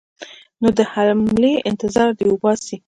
نو د حملې انتظار دې وباسي.